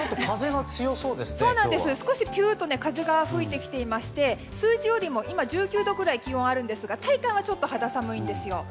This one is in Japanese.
少しぴゅーっと風が吹いてきていまして今、１９度くらい気温があるんですが体感はちょっと肌寒いんですよ。